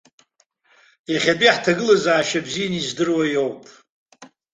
Иахьатәи ҳҭагылазаашьа бзианы издыруа иоуп.